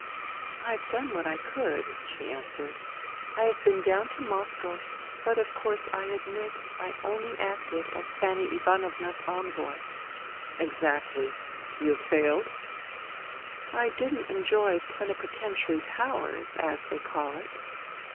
" I have done what I could," she answered. " I have been down to Moscow, but of course I admit I only acted as Fanny Ivanovna's envoy." " Exactly. You have failed ?"" I didn't enjoy plenipotentiary powers, as they call it."